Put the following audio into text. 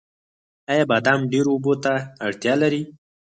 آیا بادام ډیرو اوبو ته اړتیا لري؟